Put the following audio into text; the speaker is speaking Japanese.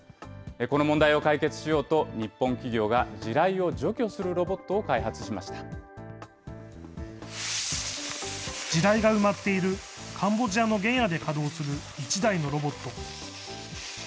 この問題を解決しようと、日本企業が地雷を除去するロボットを開地雷が埋まっているカンボジアの原野で稼働する１台のロボット。